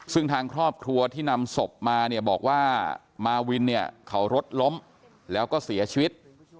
ซึ่งทางครอบครัวที่นำศพมาเนี่ยบอกว่ามาวินเนี่ยเขารถล้มแล้วก็เสียชีวิต